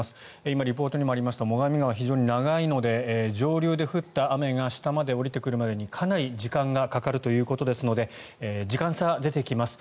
今リポートにもありましたが最上川、非常に長いので上流で降った雨が下まで下りてくるまでにかなり時間がかかるということですので時間差が出てきます。